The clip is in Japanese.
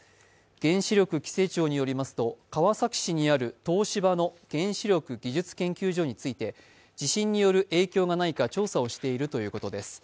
原子力規制庁によりますと川崎市にある東芝の原子力技術研究所について地震による影響がないか調査をしているということです。